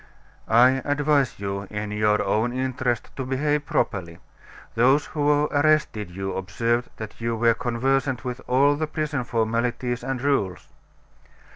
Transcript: "I advise you, in your own interest, to behave properly. Those who arrested you observed that you were conversant with all the prison formalities and rules."